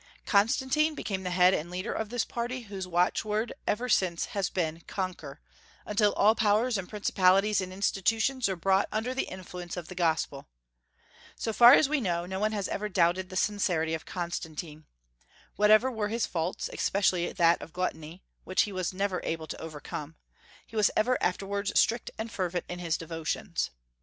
Constantine became the head and leader of this party, whose watchword ever since has been "Conquer," until all powers and principalities and institutions are brought under the influence of the gospel. So far as we know, no one has ever doubted the sincerity of Constantine. Whatever were his faults, especially that of gluttony, which he was never able to overcome, he was ever afterwards strict and fervent in his devotions.